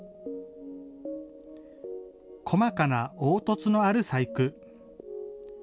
細かな凹凸のある細工。